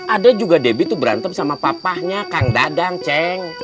ada juga debbie tuh berantem sama papanya kang dadang ceng